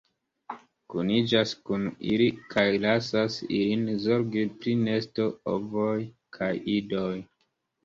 Kuniĝas kun ili kaj lasas ilin zorgi pri nesto, ovoj kaj idoj.